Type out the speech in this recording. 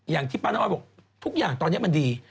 อย่างที่ป้าน้ำอ้อยบอกทุกอย่างตอนนี้มันดี